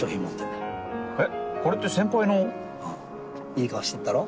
いい顔してるだろ？